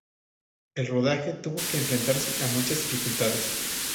El rodaje tuvo que enfrentarse a muchas dificultades.